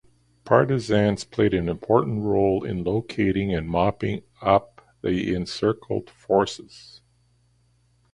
Partisans played an important role in locating and mopping up the encircled forces.